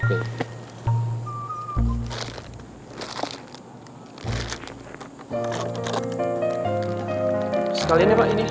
sekalian ya pak ini